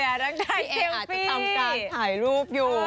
พี่เออาจจะทำการถ่ายรูปอยู่